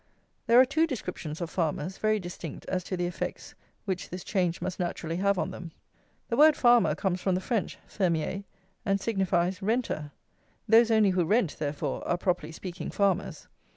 There are two descriptions of farmers, very distinct as to the effects which this change must naturally have on them. The word farmer comes from the French, fermier, and signifies renter. Those only who rent, therefore, are, properly speaking, farmers.